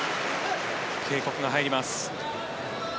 警告が入ります。